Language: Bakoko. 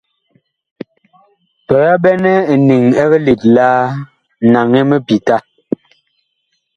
Tɔ yaɓɛnɛ eniŋ ɛg let laa, naŋɛ mipita.